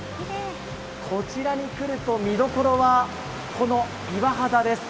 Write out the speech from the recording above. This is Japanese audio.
こちらに来ると見どころは、この岩肌です。